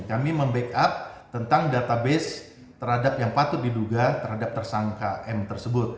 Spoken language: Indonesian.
kami membackup tentang database terhadap yang patut diduga terhadap tersangka m tersebut